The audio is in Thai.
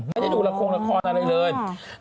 ไม่ได้ดูระโคลงละครอะเลย